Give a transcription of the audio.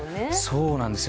そうなんですよ。